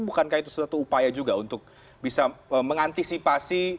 bukankah itu suatu upaya juga untuk bisa mengantisipasi